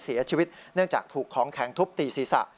เสียชีวิตเนื่องจากถูกของแข็งทุบตีศีรษะ